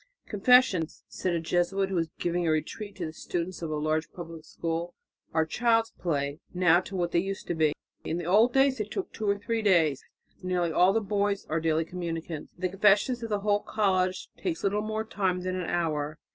"Confessions," said a Jesuit who was giving a retreat to the students of a large public school, "are child's play now to what they used to be. In the old days they took two or three days now nearly all the boys are daily communicants, and the confessions of the whole college take little more time than an hour."